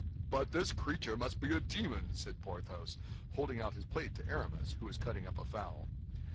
"But this creature must be a demon!" said Porthos, holding out his plate to Aramis, who was cutting up a fowl.